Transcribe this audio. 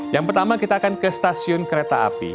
yang pertama kita akan ke stasiun kereta api